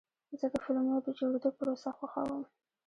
زه د فلمونو د جوړېدو پروسه خوښوم.